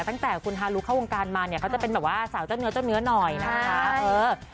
ตั้งแต่คุณฮารุเข้าวงการมาเนี่ยเขาจะเป็นแบบว่าสาวเจ้าเนื้อเจ้าเนื้อหน่อยนะคะ